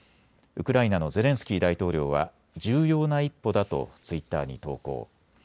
ウクライナのゼレンスキー大統領は重要な一歩だとツイッターに投稿。